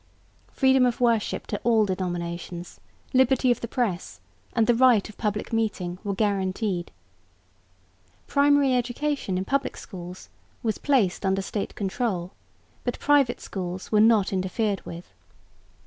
Freedom of worship to all denominations, liberty of the press and the right of public meeting were guaranteed. Primary education in public schools was placed under State control, but private schools were not interfered with.